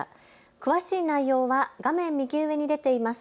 詳しい内容は画面右上に出ています